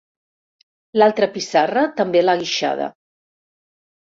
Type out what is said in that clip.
L'altra pissarra també l'ha guixada.